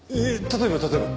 例えば？